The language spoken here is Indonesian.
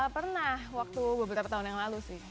pernah waktu beberapa tahun yang lalu sih